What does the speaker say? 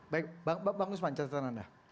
baik bang usman catatan anda